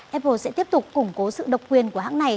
apple sẽ tiếp tục củng cố sự độc quyền của hãng này